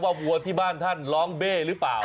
วัวที่บ้านท่านร้องเบ้หรือเปล่า